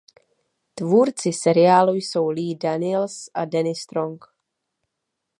Tvůrci seriálu jsou Lee Daniels a Danny Strong.